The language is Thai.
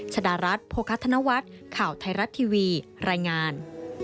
ชดารัฐโภคธนวัฒน์ข่าวไทยรัฐทีวีรายงาน